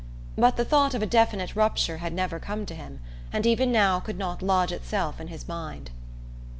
But the thought of a definite rupture had never come to him, and even now could not lodge itself in his mind.